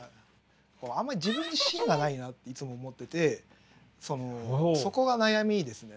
あんまり自分に芯がないなっていつも思っててそのそこが悩みですね。